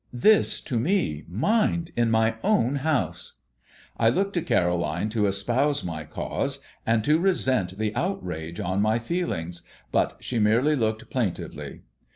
This to me, mind, in my own house! I looked to Caroline to espouse my cause and to resent the outrage on my feelings; but she merely looked plaintively.